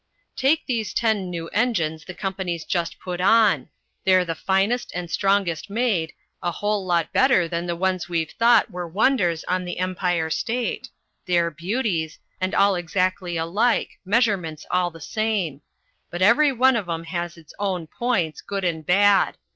"Take these ten new engines the company's just put on. They're the finest and strongest made, a whole lot better than the ones we've thought were wonders on the Empire State. They're beauties, and all exactly alike, measurements all the same; but every one of 'em has its own points, good and bad.